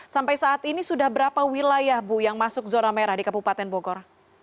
sampai saat ini sudah berapa wilayah bu yang masuk zona merah di kabupaten bogor